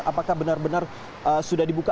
apakah benar benar sudah dibuka